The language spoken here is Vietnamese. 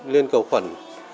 liên cầu khuẩn